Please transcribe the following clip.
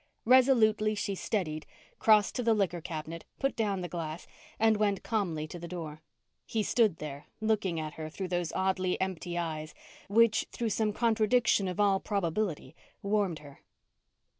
Resolutely, she steadied, crossed to the liquor cabinet, put down the glass, and went calmly to the door. He stood there looking at her through those oddly empty eyes which, through some contradiction of all probability, warmed her.